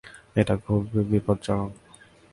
এটা খুবই বিপজ্জনক।